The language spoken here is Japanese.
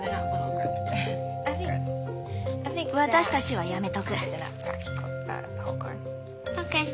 私たちはやめとく。